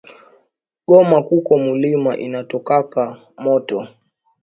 Goma kuko mulima inatokaka moto